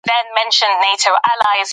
دا لوبه هم تفریح ده؛ هم سیالي.